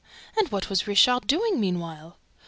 ... And what was Richard doing meanwhile?"